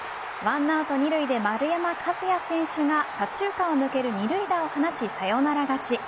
１アウト二塁で丸山和郁選手が左中間を抜ける二塁打を放ちサヨナラ勝ち。